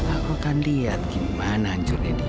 aku akan lihat gimana hancurnya dia